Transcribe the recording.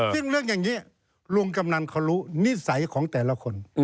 ซึ่งเรื่องอย่างนี้ลุงกำนันเขารู้นิสัยของแต่ละคน